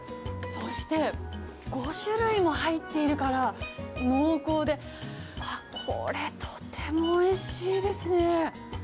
そして５種類も入っているから濃厚でああ、これ、とてもおいしいですね。